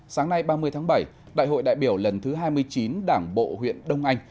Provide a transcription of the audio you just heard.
sáng nay ba mươi tháng bảy đại hội đại biểu lần thứ hai mươi chín đảng bộ huyện đông anh